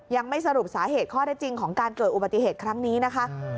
ยังไม่สรุปสาเหตุข้อได้จริงของการเกิดอุบัติเหตุครั้งนี้นะคะ